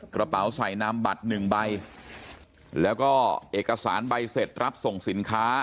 กระเป๋าใส่นามบัตรหนึ่งใบแล้วก็เอกสารใบเสร็จรับส่งสินค้า